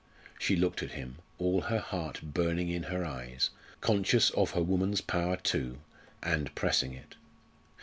She looked at him, all her heart burning in her eyes, conscious of her woman's power too, and pressing it.